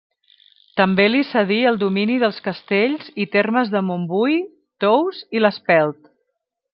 També li cedí el domini dels castells i termes de Montbui, Tous i l'Espelt.